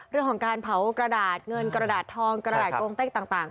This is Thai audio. เรื่องของการเผากระดาษเงินกระดาษทองกระดาษโกงเต้งต่าง